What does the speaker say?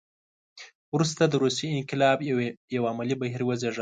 وروسته د روسیې انقلاب یو عملي بهیر وزېږاوه.